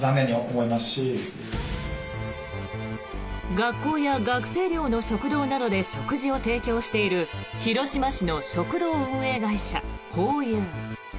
学校や学生寮の食堂などで食事を提供している広島市の食堂運営会社ホーユー。